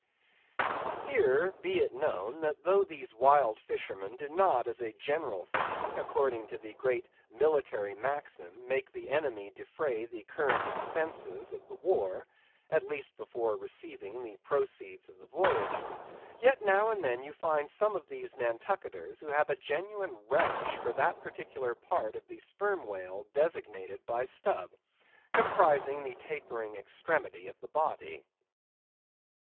Here be it known, that though these wild fishermen do not, as a general thing, and according to the great military maxim, make the enemy defray the current expenses of the war (at least before realizing the proceeds of the voyage), yet now and then you find some of these Nantucketers who have a genuine relish for that particular part of the Sperm Whale designated by Stubb; comprising the tapering extremity of the body.